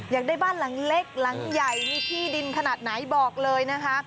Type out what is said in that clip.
อยากได้บ้านหลังเล็กหลังใหญ่มีที่ดินขนาดไหนบอกเลยนะคะ